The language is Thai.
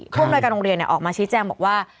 ผู้อำนวยการโรงเรียนออกมาชี้แจงบอกว่า